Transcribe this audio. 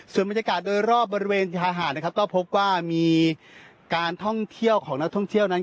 ส่วนบรรยากาศโดยรอบบริเวณชายหาดนะครับก็พบว่ามีการท่องเที่ยวของนักท่องเที่ยวนั้น